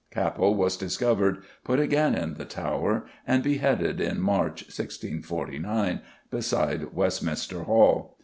Capel was discovered, put again in the Tower, and beheaded in March, 1649, beside Westminster Hall.